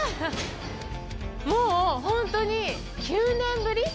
もう本当に９年ぶり。